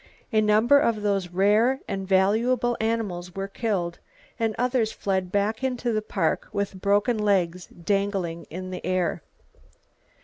A number of those rare and valuable animals were killed, and others fled back into the Park with broken legs dangling in the air.